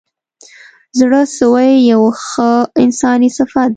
زړه سوی یو ښه انساني صفت دی.